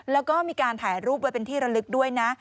แล้วก็มีการถ่ายรูปไว้เป็นที่ระลึกด้วยนะ